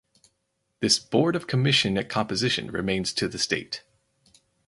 This board of commission composition remains to this date.